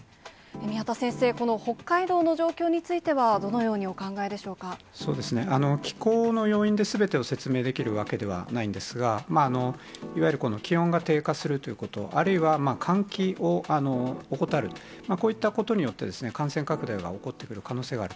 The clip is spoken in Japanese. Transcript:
宮田先生、この北海道の状況については、どのようにお考えでしょ気候の要因ですべてを説明できるわけではないんですが、いわゆる気温が低下するということ、あるいは換気を怠る、こういったことによって、感染拡大が起こってくる可能性がある。